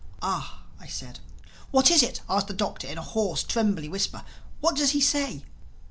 "Ah!" I said. "What is it?" asked the Doctor in a hoarse, trembly whisper. "What does he say?"